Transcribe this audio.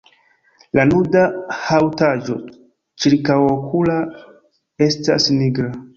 La nuda haŭtaĵo ĉirkaŭokula estas nigra.